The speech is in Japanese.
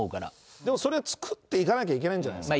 でもそれ作っていかなきゃいけないんじゃないですか。